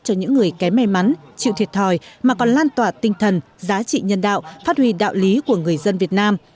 cho những người kém may mắn chịu thiệt thòi mà còn lan tỏa tinh thần giá trị nhân đạo phát huy đạo lý của người dân việt nam